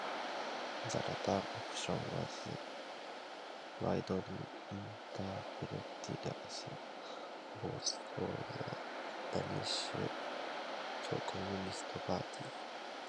The latter option was widely interpreted as votes for the Danish Communist Party.